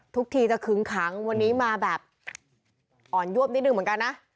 ทีจะคึ้งขังวันนี้มาแบบอ่อนยวบนิดนึงเหมือนกันนะ